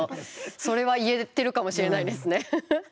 それは言えてるかもしれないですね。